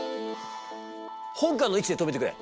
本官の位置で止めてくれ。